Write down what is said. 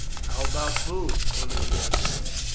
"How about food?" one of the others asked.